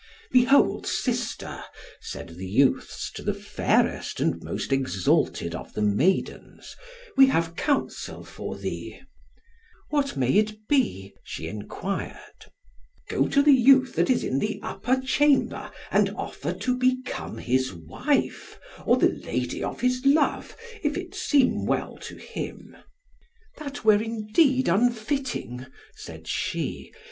"Behold, sister," said the youths to the fairest and most exalted of the maidens, "we have counsel for thee." "What may it be?" she enquired. "Go to the youth that is in the upper chamber, and offer to become his wife, or the lady of his love, if it seem well to him." "That were indeed unfitting," said she.